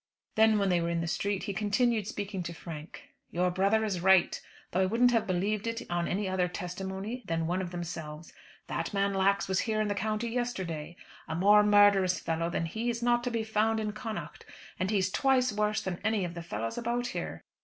Then when they were in the street, he continued speaking to Frank. "Your brother is right, though I wouldn't have believed it on any other testimony than one of themselves. That man Lax was here in the county yesterday. A more murderous fellow than he is not to be found in Connaught; and he's twice worse than any of the fellows about here.